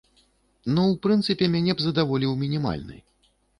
Ну, у прынцыпе, мяне б задаволіў мінімальны.